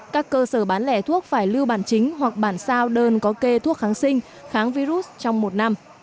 các cơ sở bán lẻ thuốc phải lưu bản chính hoặc bản sao đơn có kê thuốc kháng sinh kháng virus trong một năm